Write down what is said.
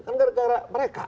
kan gara gara mereka